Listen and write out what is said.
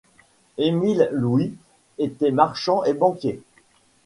Émile Louis était marchand et banquier.